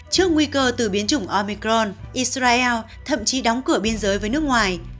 trước nguy cơ từ biến chủng omicron israel thậm chí đóng cửa biên giới với nước ngoài